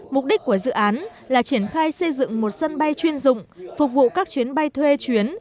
mục đích của dự án là triển khai xây dựng một sân bay chuyên dụng phục vụ các chuyến bay thuê chuyến